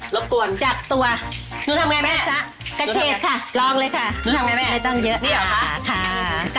รบกวนจากตัวแม่ซะกระเชษค่ะลองเลยค่ะไม่ต้องเยอะอ่าค่ะ